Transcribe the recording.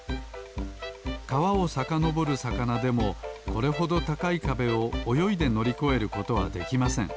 かわをさかのぼるさかなでもこれほどたかいかべをおよいでのりこえることはできません。